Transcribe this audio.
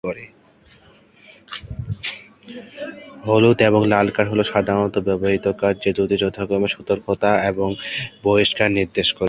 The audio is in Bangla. হলুদ এবং লাল কার্ড হল সাধারনত ব্যবহৃত কার্ড, যে দুটি যথাক্রমে সতর্কতা এবং বহিষ্কার নির্দেশ করে।